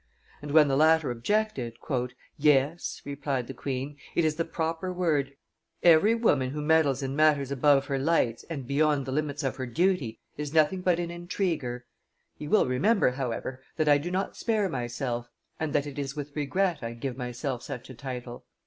And when the latter objected: "Yes," replied the queen, "it is the proper word: every woman who meddles in matters above her lights and beyond the limits of her duty, is nothing but an intriguer; you will remember, however, that I do not spare myself, and that it is with regret I give myself such a title.